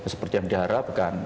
seperti yang diharapkan